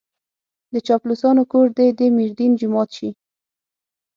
د چاپلوسانو کور دې د ميردين جومات شي.